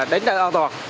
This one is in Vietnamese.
đến nơi an toàn